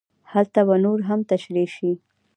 هلته به نور هم تشرېح شي.